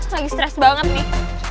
lagi stres banget nih